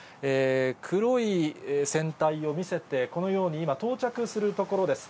黒い船体を見せて、このように今、到着するところです。